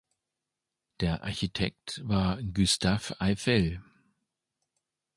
Der Architekt war Gustave Eiffel.